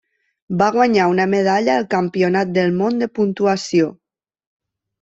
Va guanyar una medalla al Campionat del món de Puntuació.